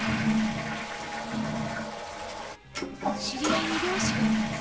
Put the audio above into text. あの知り合いに漁師がいます。